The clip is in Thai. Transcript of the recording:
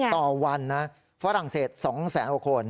ต่อวันฝรั่งเศส๒๐๐๐๐๐กว่าคน